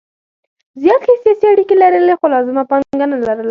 زیات ښې سیاسي اړیکې لرلې خو لازمه پانګه نه لرله.